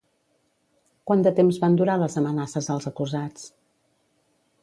Quant de temps van durar les amenaces als acusats?